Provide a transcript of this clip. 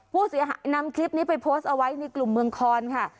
ผู้เสียหายนำคลิปนี้ไปโพสต์เอาไว้ในกลุ่มเมืองคอนค่ะ